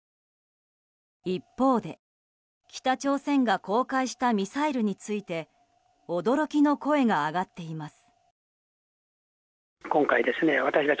一方で北朝鮮が公開したミサイルについて驚きの声が上がっています。